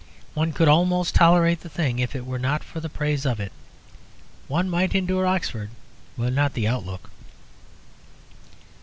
One could almost tolerate the thing, if it were not for the praise of it. One might endure Oxford, but not the Outlook.